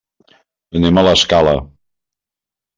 Anem a l'Escala.